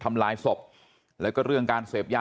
ลูกสาวหลายครั้งแล้วว่าไม่ได้คุยกับแจ๊บเลยลองฟังนะคะ